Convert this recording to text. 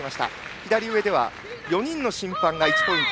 左上では、４人の審判が１ポイント。